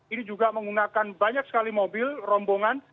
ini juga menggunakan banyak sekali mobil rombongan